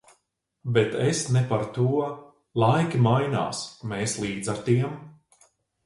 Bet es ne par to. Laiki mainās, mēs līdz ar tiem.